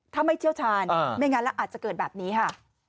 ถ้าไม่เชี่ยวชาญไม่งั้นแล้วอาจจะเกิดแบบนี้ค่ะ